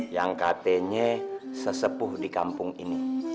yang katanya sesepuh di kampung ini